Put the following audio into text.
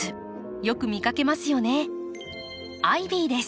よく見かけますよね。